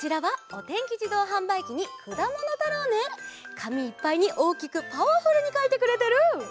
かみいっぱいにおおきくパワフルにかいてくれてる！